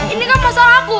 ini kan masalah aku